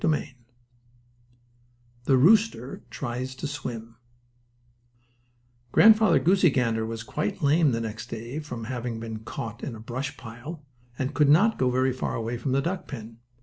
STORY X THE ROOSTER TRIES TO SWIM Grandfather Goosey Gander was quite lame the next day from having been caught in the brush pile, and could not go very far away from the duck pen.